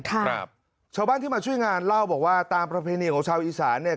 ครับชาวบ้านที่มาช่วยงานเล่าบอกว่าตามประเพณีของชาวอีสานเนี่ย